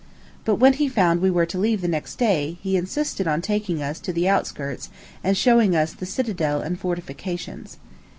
But when he found we were to leave next day, he insisted on taking us to the outskirts and showing us the citadel and fortifications.